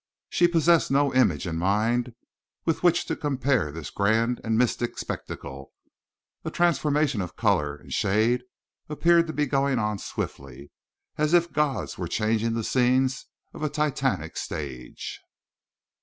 She possessed no image in mind with which to compare this grand and mystic spectacle. A transformation of color and shade appeared to be going on swiftly, as if gods were changing the scenes of a Titanic stage.